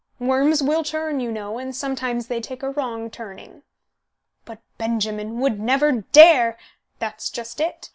Worms will turn, you know, and sometimes they take a wrong turning." "But Benjamin would never dare " "That's just it.